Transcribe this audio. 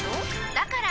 だから！